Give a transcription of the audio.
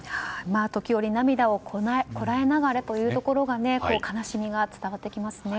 時折、涙をこらえながらというところが悲しみが伝わってきますね。